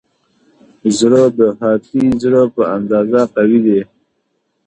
زړه د هاتي زړه په اندازه قوي دی.